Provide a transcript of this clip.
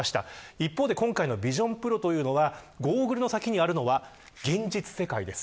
一方で今回のＶｉｓｉｏｎＰｒｏはゴーグルの先にあるのは現実世界です。